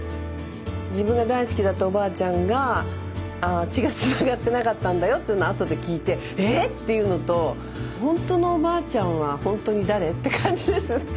自分が大好きだったおばあちゃんが血がつながってなかったんだよというのを後で聞いて「ええっ⁉」っていうのとほんとのおばあちゃんはほんとに誰？って感じです。